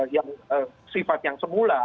yang sifat yang semula